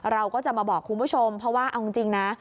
เราก็จะมาบอกคุณผู้ชมเพราะว่าเอาจริงนะ